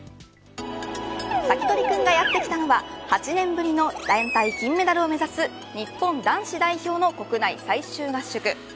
サキドリくんがやって来たのは８年ぶりの団体金メダルを目指す日本男子代表の国内最終合宿。